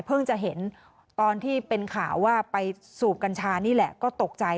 จะเห็นตอนที่เป็นข่าวว่าไปสูบกัญชานี่แหละก็ตกใจ